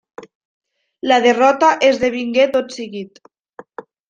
La derrota esdevingué tot seguit.